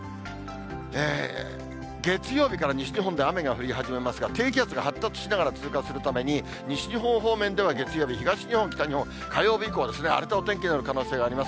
月曜日から西日本では雨が降り始めますが、低気圧が発達しながら通過するために、西日本方面では、月曜日、東日本、北日本、火曜日以降は荒れたお天気になる可能性があります。